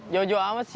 jauh jauh amat sih